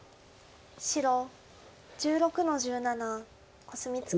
白１６の十七コスミツケ。